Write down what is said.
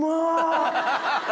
ハハハハ。